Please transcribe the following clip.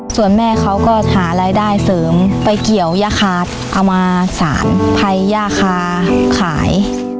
ส่วนแม่เขาก็หารายได้เสริมไปเกี่ยวย่าคาร์ดเอามาสารภัยย่าคาขาย